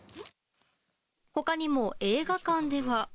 他にも、映画館では。